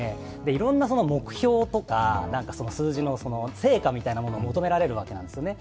いろんな目標とか数字の成果みたいなものを求められるわけなんですよね。